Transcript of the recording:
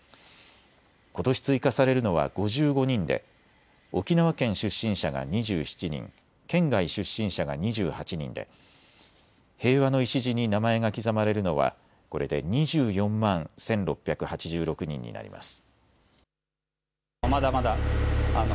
ことし追加されるのは５５人で沖縄県出身者が２７人、県外出身者が２８人で平和の礎に名前が刻まれるのはこれで２４万１６８６人になります。